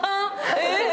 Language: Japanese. えっ。